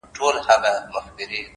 o سوخ خوان سترگو كي بيده ښكاري ـ